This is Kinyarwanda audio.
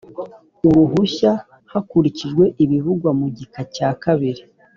uruhushya hakurikijwe ibivugwa mu gika cya kabiri